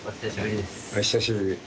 お久しぶりです。